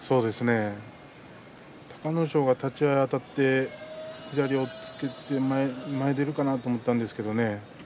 隆の勝が立ち合いあたって左、押っつけて前に出るかなと思ったんですけどね。